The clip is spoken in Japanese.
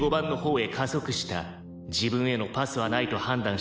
「自分へのパスはないと判断した